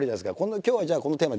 「今日はじゃあこのテーマドン！